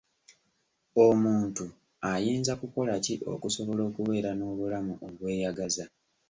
Omuntu ayinza kukola ki okusobola okubeera n'obulamu obweyagaza?